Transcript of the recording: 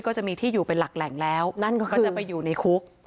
ก็จะมีที่อยู่เป็นหลักแหล่งแล้วก็จะไปอยู่ในคุก